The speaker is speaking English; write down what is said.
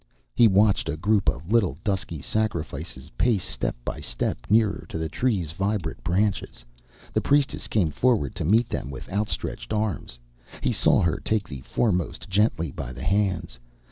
He watched a group of little, dusky sacrifices pace step by step nearer to the Tree's vibrant branches. The priestess came forward to meet them with outstretched arms. He saw her take the foremost gently by the hands.